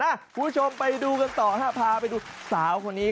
คุณผู้ชมไปดูกันต่อฮะพาไปดูสาวคนนี้